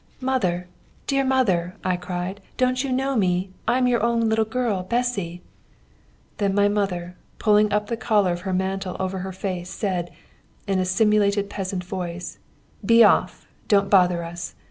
'Mother, dear mother!' I cried, 'don't you know me? I am your own little girl, Bessy!' Then my mother, pulling up the collar of her mantle over her face, said, in a simulated peasant voice: 'Be off! Don't bother us!